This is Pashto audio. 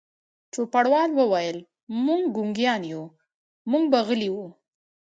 چوپړوال وویل: موږ ګونګیان یو، موږ به غلي وو.